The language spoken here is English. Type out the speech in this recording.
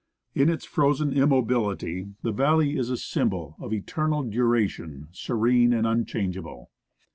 In its frozen immobility the valley is a symbol of eternal duration, serene and unchangeable.